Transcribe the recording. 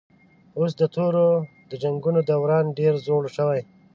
اوس د تورو د جنګونو دوران ډېر زوړ شوی